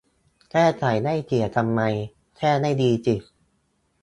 แก้ไขให้เสียทำไม แก้ให้ดีสิ